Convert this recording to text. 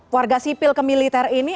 warga sipil ke militer ini